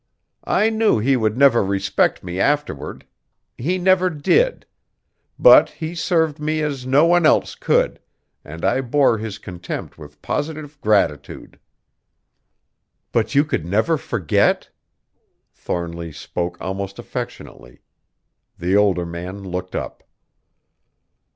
I knew he would never respect me afterward; he never did. But he served me as no one else could, and I bore his contempt with positive gratitude." "But you could never forget?" Thornly spoke almost affectionately. The older man looked up.